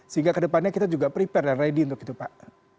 sehingga kedepannya kita juga prepare dan ready untuk itu pak